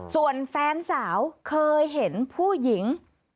ส่วนแฟนสาวเคยเห็นผู้หญิง